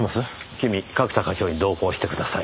君角田課長に同行してください。